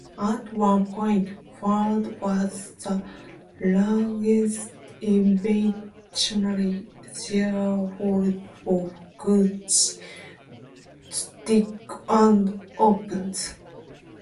At one point, Ford was the largest individual shareholder of Gucci stock and options.